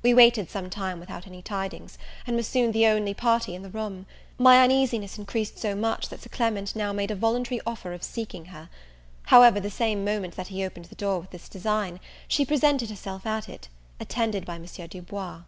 We waited some time without any tidings, and were soon the only party in the room. My uneasiness increased so much that Sir Clement now made a voluntary offer of seeking her. However, the same moment that he opened the door with this design, she presented herself at it, attended by Monsieur Du Bois.